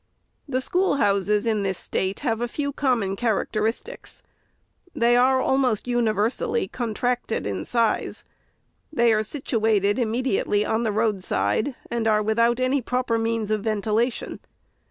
The schoolhouses in the State have a few common characteristics. They are, almost universally, contracted in size ; they are situated immediately on the road side, and are without any proper means of ventilation.